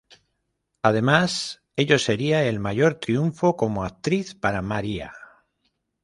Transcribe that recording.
Además, ello sería el mayor triunfo como actriz para María.